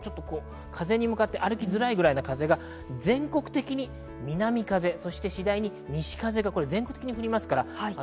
風に向かって歩きづらいぐらいの風が全国的に南風、そして次第に西風が全国的に吹きます。